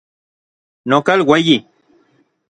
Nokal ueyi.